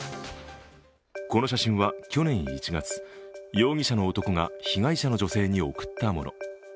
この写真は、去年１月、容疑者の男が、被害者の女性に送ったもの。